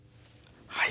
はい。